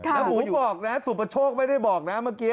แล้วหมูบอกนะสุประโชคไม่ได้บอกนะเมื่อกี้